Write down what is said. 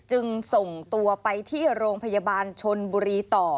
จึงส่งตัวไปที่โรงพยาบาลชนบุรีต่อ